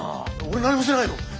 俺何もしてないよ！？